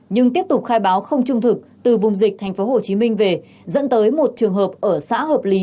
nhưng tiếp tục khai báo không trung thực từ vùng dịch tp hcm về dẫn tới một trường hợp ở xã hợp lý